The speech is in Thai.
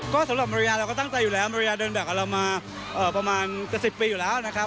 ก็สำหรับมารยาเราก็ตั้งใจอยู่แล้วมารยาเดินแบบกับเรามาประมาณจะ๑๐ปีอยู่แล้วนะครับ